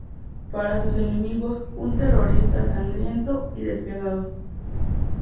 Para sus enemigos, un terrorista sangriento y despiadado.